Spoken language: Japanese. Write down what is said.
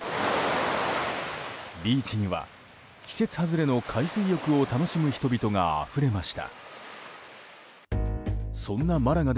ビーチには季節外れの海水浴を楽しむ人々があふれました。